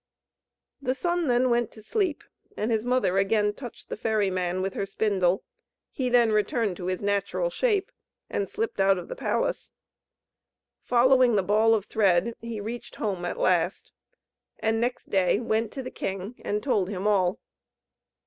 The Sun then went to sleep, and his mother again touched the ferry man with her spindle; he then returned to his natural shape, and slipped out of the palace. Following the ball of thread he reached home at last, and next day went to the king, and told him all.